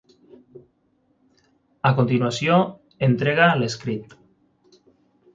A continuació, entrega l'escrit.